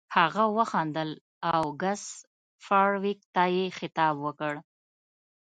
هغه وخندل او ګس فارویک ته یې خطاب وکړ